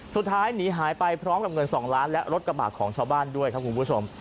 สุดท้ายหนีหายไปพร้อมกับเงิน๒ล้านและรถกระบะของชาวบ้านด้วยครับคุณผู้ชม